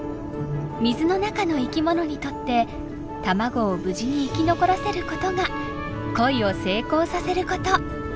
水の中の生きものにとって卵を無事に生き残らせることが恋を成功させること。